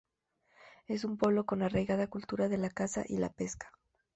Es un pueblo con arraigada cultura de la caza y la pesca.